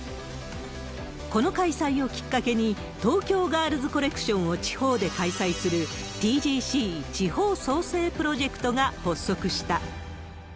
この開催をきっかけに、東京ガールズコレクションを地方で開催する、ＴＧＣ地方創生プロジェクトが発足した。